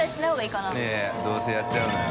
い笋いどうせやっちゃうのよ。